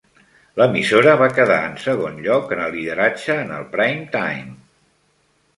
L'emissora va quedar en segon lloc en el lideratge en el prime time.